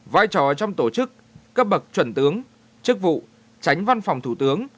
vai trò trong tổ chức cấp bậc chuẩn tướng chức vụ tránh văn phòng thủ tướng